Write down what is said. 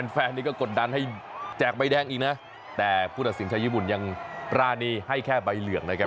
แฟนนี้ก็กดดันให้แจกใบแดงอีกนะแต่ผู้ตัดสินชาวญี่ปุ่นยังปรานีให้แค่ใบเหลืองนะครับ